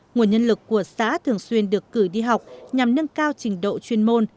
nguồn nhân lực của xã thường xuyên được cử đi học nhằm nâng cao trình độ chuyên môn